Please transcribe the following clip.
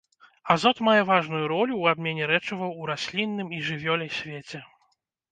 Азот мае важную ролю ў абмене рэчываў у раслінным і жывёле свеце.